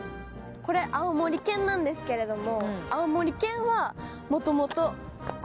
これ青森県なんですけれども。